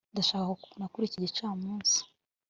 ndashaka kukubona kuri iki gicamunsi